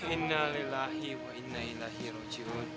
innalillahi wa innaillahi rujun